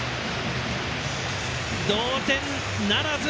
同点ならず！